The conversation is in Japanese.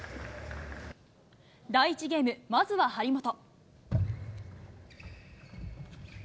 第１ゲーム、まずは張本。